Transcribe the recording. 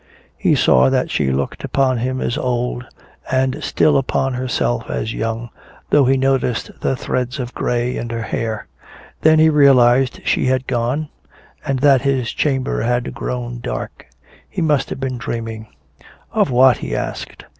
He saw that she looked upon him as old and still upon herself as young, though he noticed the threads of gray in her hair.... Then he realized she had gone and that his chamber had grown dark. He must have been dreaming. Of what, he asked.